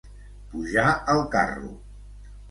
Pujar al carro.